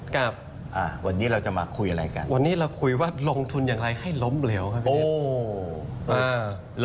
ครับวันนี้เราจะมาคุยอะไรกันวันนี้เราคุยว่าลงทุนอย่างไรให้ล้มเหลวครับ